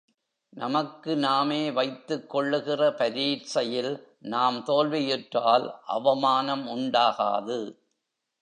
நமக்கு நாமே வைத்துக் கொள்ளுகிற பரீட்சையில் நாம் தோல்வியுற்றால் அவமானம் உண்டாகாது.